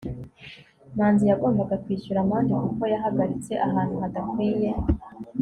manzi yagombaga kwishyura amande kuko yahagaritse ahantu hadakwiye